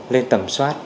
lên tẩm soát